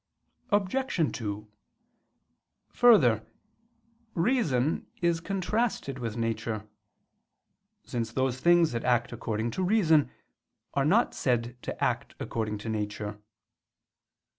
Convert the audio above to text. Obj. 2: Further, reason is contrasted with nature: since those things that act according to reason, are not said to act according to nature.